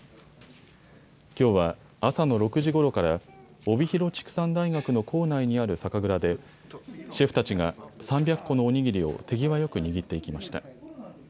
きょうは朝の６時ごろから帯広畜産大学の構内にある酒蔵でシェフたちが３００個のお握りを手際よく握っていきました。